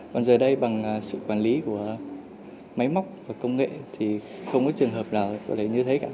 còn giờ đây bằng sự quản lý của máy móc và công nghệ thì không có trường hợp nào có thể như thế cả